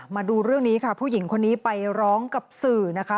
มาดูเรื่องนี้ค่ะผู้หญิงคนนี้ไปร้องกับสื่อนะคะ